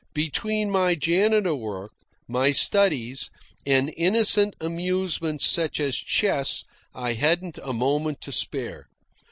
Between my janitor work, my studies, and innocent amusements such as chess, I hadn't a moment to spare.